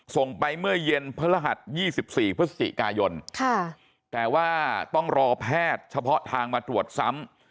ส่งไปเมื่อเย็นพฤหัส๒๔พฤศจิกายนแต่ว่าต้องรอแพทย์เฉพาะทางมาตรวจซ้ำ